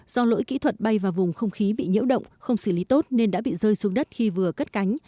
do lỗi kỹ thuật bay vào vùng không khí bị nhiễu động không xử lý tốt nên đã bị rơi xuống đất khi vừa cất cánh